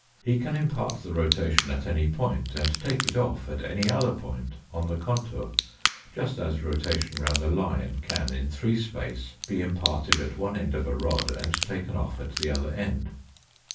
He can impart the rotation at any point and take it off at any other point on the contour, just as rotation round a line can in three space be imparted at one end of a rod and taken off at the other end.